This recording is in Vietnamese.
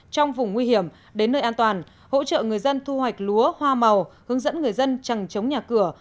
trong vùng nguy hiểm đến nơi an toàn hỗ trợ người dân thu hoạch lúa hoa màu hướng dẫn người dân chẳng chống nhà cửa